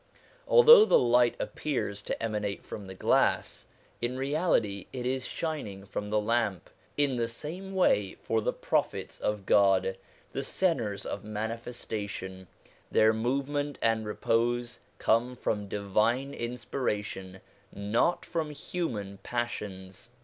Although the light appears to emanate from the glass, in reality it is shining from the lamp : in the same way for the Prophets of God, the centres of manifestation, their movement and repose come from divine inspiration, not from human passions.